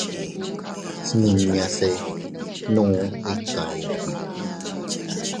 Smiñase nuu ika ubi.